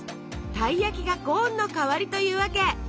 たい焼きがコーンの代わりというわけ！